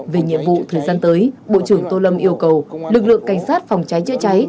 về nhiệm vụ thời gian tới bộ trưởng tô lâm yêu cầu lực lượng cảnh sát phòng cháy chữa cháy